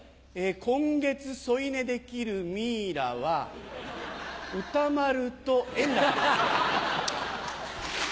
今月添い寝できるミイラは歌丸と円楽です。